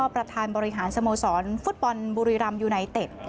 ประธานบริหารสโมสรฟุตบอลบุรีรำยูไนเต็ด